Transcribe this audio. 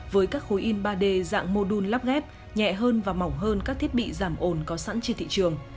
với các khối in ba d dạng mô đun lắp ghép nhẹ hơn và mỏng hơn các thiết bị giảm ồn có sẵn trên thị trường